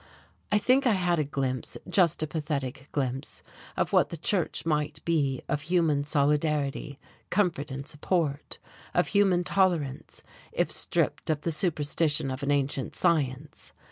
I think I had a glimpse just a pathetic glimpse of what the Church might be of human solidarity, comfort and support, of human tolerance, if stripped of the superstition of an ancient science.